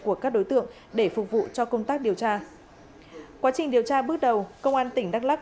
của các đối tượng để phục vụ cho công tác điều tra quá trình điều tra bước đầu công an tỉnh đắk lắc